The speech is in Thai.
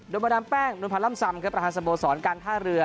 โดยมาดามแป้งโดยพันร่ำสำเคยประหารสมสรรค์การท่าเรือ